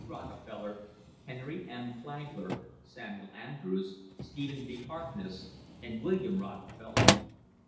Rockefeller, Henry M. Flag ler, Samuel Andrews, Stephen V. Harkness, and William Rockefeller.